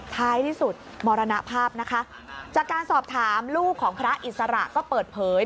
ท้ายที่สุดมรณภาพนะคะจากการสอบถามลูกของพระอิสระก็เปิดเผย